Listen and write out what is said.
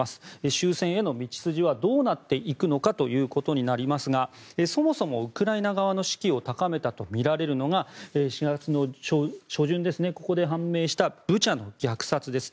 終戦への道筋はどうなっていくのかということになりますがそもそも、ウクライナ側の士気を高めたとみられるのが４月初旬に判明したブチャの虐殺です。